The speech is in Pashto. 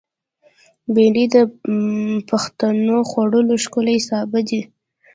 بېنډۍ د پښتنو خوړو ښکلی سابه دی